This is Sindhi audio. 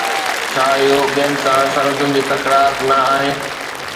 ڇا اهو ٻين سان سرحدن جي تڪرار نه آهي؟